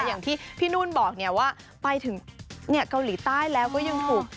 อย่างที่พี่นุ่นบอกว่าไปถึงเกาหลีใต้แล้วก็ยังถูก